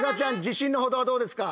自信の程はどうですか？